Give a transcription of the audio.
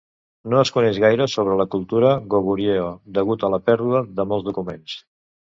No es coneix gaire sobre la cultura Goguryeo, degut a la pèrdua de molts documents.